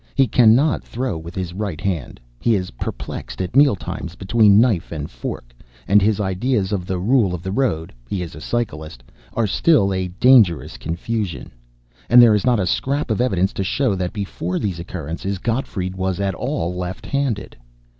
He cannot throw with his right hand, he is perplexed at meal times between knife and fork, and his ideas of the rule of the road he is a cyclist are still a dangerous confusion. And there is not a scrap of evidence to show that before these occurrences Gottfried was at all left handed.